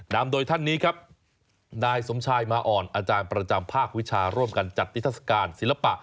นำโดยท่านนี้ครับนายสมชายมาอ่อนอาจารย์ประจำภาควิชาร่วมกันจัดนิทัศกาลศิลปะ